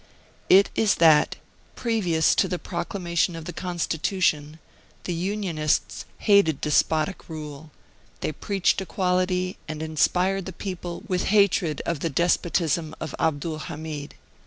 It is that, previous to the proclamation of the Constitution, the Unionists hated despotic rule; they preached equality, and inspired the people with hatred of the despotism of Abdul Hamid.